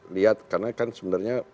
lihat karena kan sebenarnya